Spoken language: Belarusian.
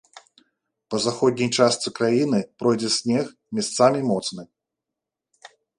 Па заходняй частцы краіны пройдзе снег, месцамі моцны.